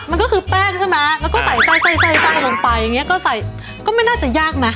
มันก็คือแบบใช่ไหมแล้วก็ใส่ไปมันก็ไม่น่าจะยากนะ